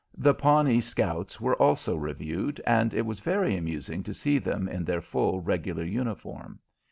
The Pawnee scouts were also reviewed, and it was very amusing to see them in their full regular uniform.